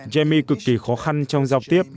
jamie cực kỳ khó khăn trong giao tiếp